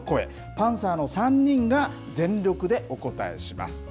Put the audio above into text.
パンサーの３人が全力でお応えします。